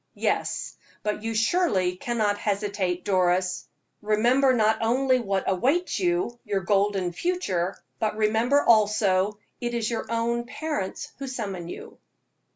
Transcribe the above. "Yes, but you surely cannot hesitate, Doris. Remember not only what awaits you your golden future but remember, also, it is your own parents who summon you."